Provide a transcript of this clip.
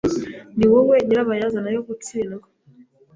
Niwowe nyirabayazana yo gutsindwa.